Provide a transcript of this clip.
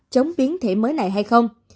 chống biến thể mới này hay không